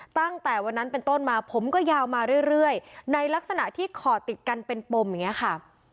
ตั้งแต่วันนั้นเป็นต้นมาผมก็ยาวมาเรื่อยในลักษณะที่ขอติดกันเป็นปมอย่างนี้ค่ะ